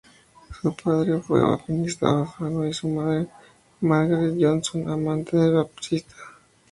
Su padre fue Baptista Bassano y su madre, Margaret Johnson, amante de Baptista.